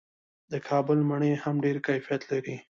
د کابل مڼې هم ډیر کیفیت لري.